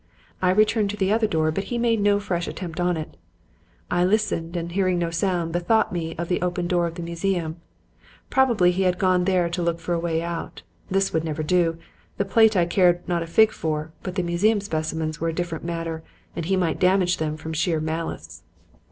I returned to the other door, but he made no fresh attempt on it. I listened, and hearing no sound, bethought me of the open door of the museum. Probably he had gone there to look for a way out. This would never do. The plate I cared not a fig for, but the museum specimens were a different matter; and he might damage them from sheer malice.